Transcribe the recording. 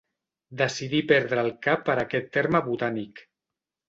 Decidí perdre el cap per aquest terme botànic.